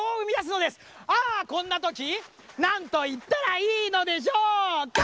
ああこんなときなんといったらいいのでしょうか？